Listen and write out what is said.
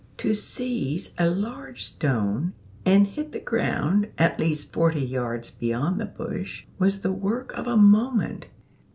To seize a large stone and hit the ground at least forty yards beyond the bush was the work of a moment.